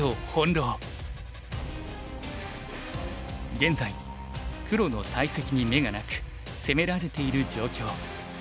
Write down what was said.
現在黒の大石に眼がなく攻められている状況。